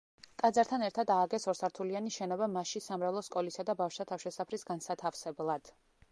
ტაძართან ერთად ააგეს ორსართულიანი შენობა მასში სამრევლო სკოლისა და ბავშვთა თავშესაფრის განსათავსებლად.